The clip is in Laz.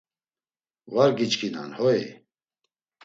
Var giçkinan, hoi?